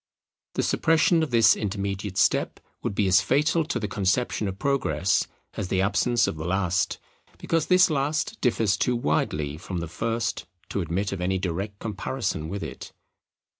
The suppression of this intermediate step would be as fatal to the conception of Progress as the absence of the last; because this last differs too widely from the first to admit of any direct comparison with it.